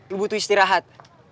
lo butuh istirahat